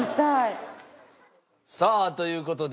さあという事で。